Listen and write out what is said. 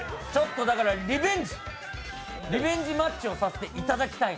だから、リベンジマッチをさせていただきたい。